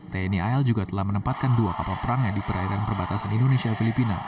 tni al juga telah menempatkan dua kapal perang yang di perairan perbatasan indonesia filipina